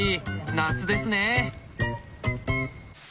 夏ですね。